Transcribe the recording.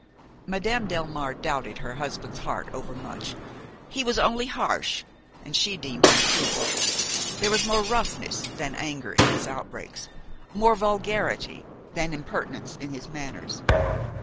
Madame Delmare doubted her husband's heart overmuch; he was only harsh and she deemed him cruel. There was more roughness than anger in his outbreaks, more vulgarity than impertinence in his manners.